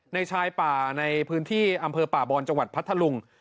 ชายป่าในพื้นที่อำเภอป่าบอนจังหวัดพัทธลุง